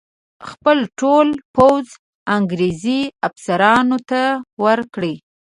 خپل ټول پوځ انګرېزي افسرانو ته ورکړي.